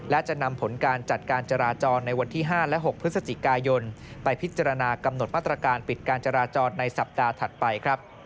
และจะนำผลการจัดการจราจรในวันที่๕และ๖พฤศจิกายนไปพิจารณากำหนดมาตรการปิดการจราจรในสัปดาห์ถัดไปครับ